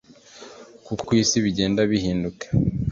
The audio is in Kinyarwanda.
kuko ibyo ku isi bigenda bihinduka.